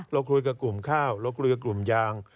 เราคุยกับกลุ่มข้าวเราคุยกับกลุ่มยาง